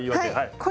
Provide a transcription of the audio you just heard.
これ。